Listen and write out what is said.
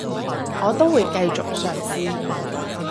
我都會繼續嘗試